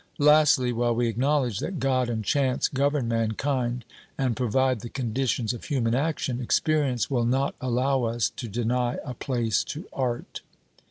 Lastly, while we acknowledge that God and chance govern mankind and provide the conditions of human action, experience will not allow us to deny a place to art.